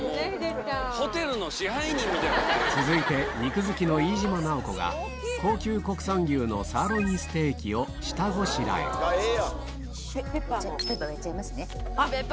続いて肉好きの飯島直子が高級国産牛のサーロインステーキを下ごしらえペッパーやっちゃいますね。